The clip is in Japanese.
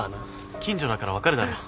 近所だから分かるだろ。